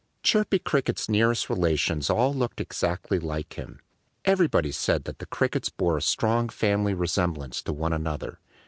Chirpy Cricket's nearest relations all looked exactly like him. Everybody said that the Crickets bore a strong family resemblance to one another.